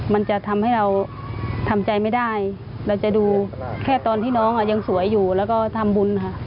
มันจะทำให้เราทำใจไม่ได้เราจะดูแค่ตอนที่น้องยังสวยอยู่แล้วก็ทำบุญค่ะ